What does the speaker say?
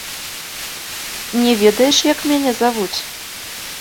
Не ведаеш, як мяне завуць?